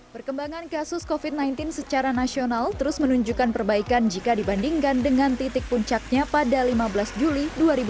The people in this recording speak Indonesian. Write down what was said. perkembangan kasus covid sembilan belas secara nasional terus menunjukkan perbaikan jika dibandingkan dengan titik puncaknya pada lima belas juli dua ribu dua puluh